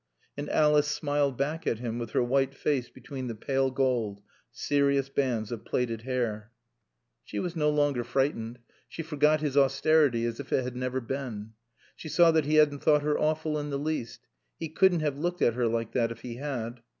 And Alice smiled back at him with her white face between the pale gold, serious bands of platted hair. She was no longer frightened. She forgot his austerity as if it had never been. She saw that he hadn't thought her awful in the least. He couldn't have looked at her like that if he had.